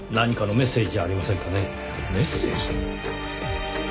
メッセージ？